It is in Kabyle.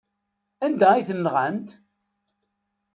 Anda ay ten-nɣant?